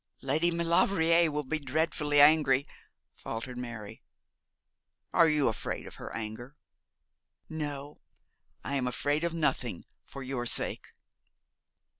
'Lady Maulevrier will be dreadfully angry,' faltered Mary. 'Are you afraid of her anger?' 'No; I am afraid of nothing, for your sake.'